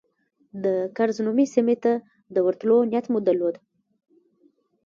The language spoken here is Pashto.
د کرز نومي سیمې ته د ورتلو نیت مو درلود.